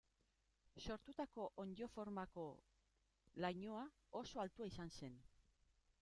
Sortutako onddo formako lainoa oso altua izan zen.